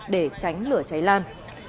để tránh lửa cháy lan